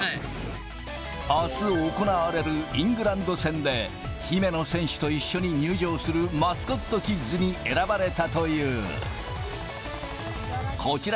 あす行われるイングランド戦で姫野選手と一緒に入場するマスコットキッズに選ばれたという。